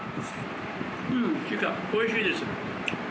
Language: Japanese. うんおいしいです。